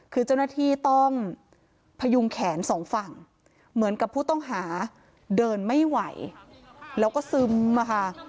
คือเจ้าหน้าที่ต้องพยุงแขนสองฝั่งเหมือนกับผู้ต้องหาเดินไม่ไหวแล้วก็ซึมมาค่ะ